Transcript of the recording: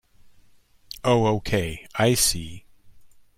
Oh okay, I see.